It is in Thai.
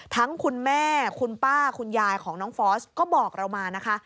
คุณแม่คุณป้าคุณยายของน้องฟอสก็บอกเรามานะคะ